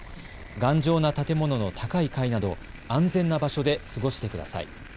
頑丈な建物の高い階など、安全な場所で過ごしてください。